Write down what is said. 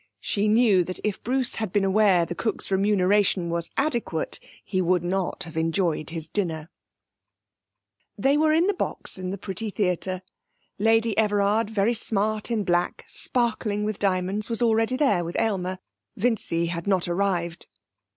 She knew that if Bruce had been aware the cook's remuneration was adequate he would not have enjoyed his dinner. They were in the box in the pretty theatre. Lady Everard, very smart in black, sparkling with diamonds, was already there with Aylmer. Vincy had not arrived.